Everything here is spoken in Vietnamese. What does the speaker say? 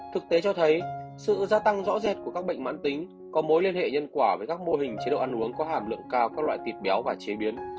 thực tế cho thấy sự gia tăng rõ rệt của các bệnh mãn tính có mối liên hệ nhân quả với các mô hình chế độ ăn uống có hàm lượng cao các loại thịt béo và chế biến